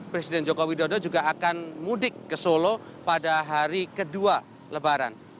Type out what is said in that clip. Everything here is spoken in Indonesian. presiden joko widodo juga akan mudik ke solo pada hari kedua lebaran